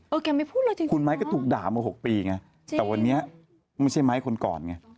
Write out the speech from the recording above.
แกไม่พูดเลยจริงคุณไม้ก็ถูกด่ามา๖ปีไงแต่วันนี้ไม่ใช่ไม้คนก่อนไง